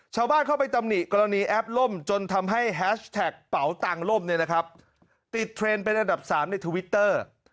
เช่าบ้านเข้าไปตำนี่กรณีแอปร่มจนทำให้แฮชแท็กเป๋าต่างร่มติดเทรนเป็นระดับ๓ในทวิตเตอร์